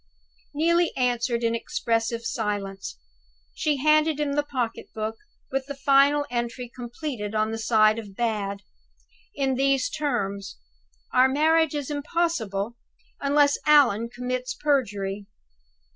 Neelie answered in expressive silence. She handed him the pocket book, with the final entry completed, on the side of "Bad," in these terms: "Our marriage is impossible, unless Allan commits perjury."